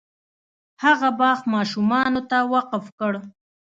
هغه باغ ماشومانو ته وقف کړ.